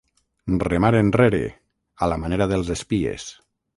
Remar enrere, a la manera dels espies.